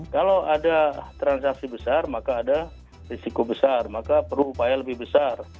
kalau ada transaksi besar maka ada risiko besar maka perlu upaya lebih besar